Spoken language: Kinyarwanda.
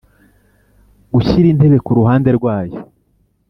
Gushyira intebe ku ruhande rwayo